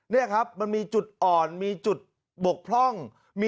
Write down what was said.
นี่ครับมันมีจุดอ่อนมีจุดบกพร่อง